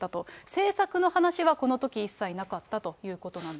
政策の話はこのとき一切なかったということなんです。